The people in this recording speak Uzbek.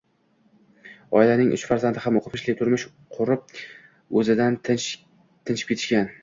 Oilaning uch farzandi ham o`qimishli, turmush qurib o`zidan tinchib ketishgan